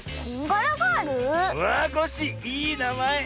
あっコッシーいいなまえ。